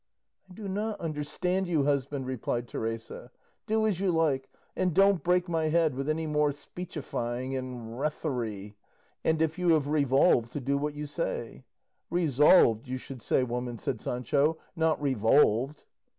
"I do not understand you, husband," replied Teresa; "do as you like, and don't break my head with any more speechifying and rethoric; and if you have revolved to do what you say " "Resolved, you should say, woman," said Sancho, "not revolved."